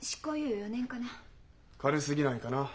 軽すぎないかな。